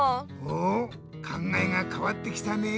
お考えがかわってきたね。